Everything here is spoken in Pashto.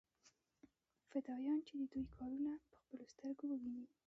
فدايان چې د دوى کارونه په خپلو سترګو وويني.